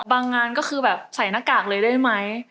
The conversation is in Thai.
งานก็คือแบบใส่หน้ากากเลยได้ไหม